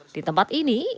di tempat ini ia mulai